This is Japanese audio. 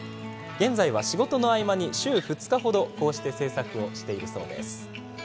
現在は、仕事の合間に週２日程こうして制作をしているそうです。